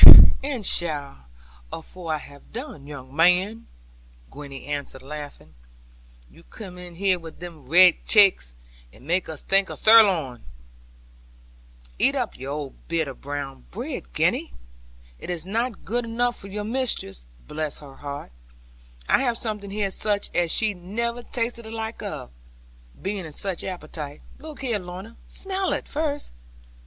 'And shall, afore I have done, young man,' Gwenny answered laughing; 'you come in here with they red chakes, and make us think o' sirloin.' 'Eat up your bit of brown bread, Gwenny. It is not good enough for your mistress. Bless her heart, I have something here such as she never tasted the like of, being in such appetite. Look here, Lorna; smell it first.